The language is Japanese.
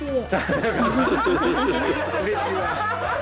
うれしいわ。